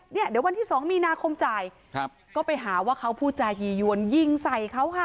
เนี่ยเดี๋ยววันที่สองมีนาคมจ่ายครับก็ไปหาว่าเขาพูดจายียวนยิงใส่เขาค่ะ